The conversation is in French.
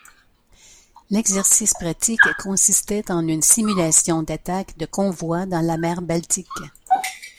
L'exercice pratique consistait en une simulation d'attaque de convoi dans la mer Baltique.